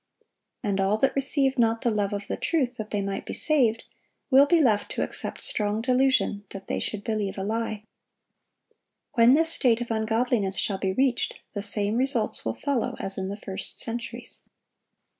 And all that "received not the love of the truth, that they might be saved," will be left to accept "strong delusion, that they should believe a lie."(747) When this state of ungodliness shall be reached, the same results will follow as in the first centuries.